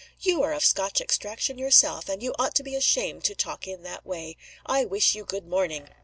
you are of Scotch extraction yourself, and you ought to be ashamed to talk in that way. I wish you good morning!"